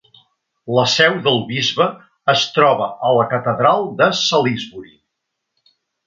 La seu del bisbe es troba a la catedral de Salisbury.